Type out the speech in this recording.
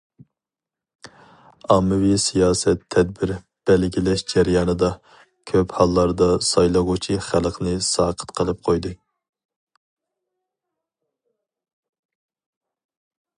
ئاممىۋى سىياسەت تەدبىر بەلگىلەش جەريانىدا، كۆپ ھاللاردا سايلىغۇچى خەلقنى ساقىت قىلىپ قويدى.